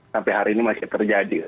sampai hari ini masih terjadi